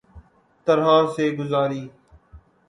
طرح سے گزاری